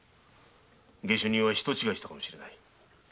下手人たちは人違いしたかもしれない。